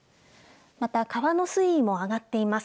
また川の水位も上がっています。